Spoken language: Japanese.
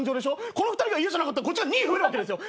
この２人が嫌じゃなかったらこっちが２増えるわけですよ。